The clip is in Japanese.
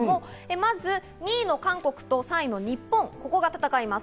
まず２位の韓国と３位の日本、ここが戦います。